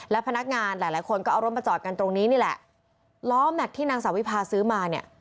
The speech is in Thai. และพนักงานหลายหลายคนก็เอารถมาจอดกันตรงนี้นี่แหละล้อแม็กซ์ที่นางสาววิพาซื้อมาเนี่ย